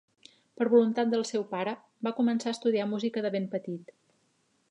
Per voluntat del seu pare, va començar a estudiar música de ben petit.